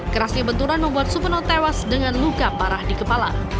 kerasnya benturan membuat supeno tewas dengan luka parah di kepala